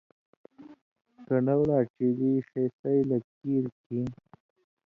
کنڈوہ لا ڇیلی ݜے سئ لک کیریۡ کھیں